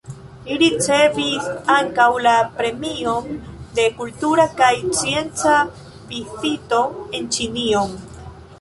Li ricevis ankaŭ la Premion de Kultura kaj Scienca Vizito en Ĉinion.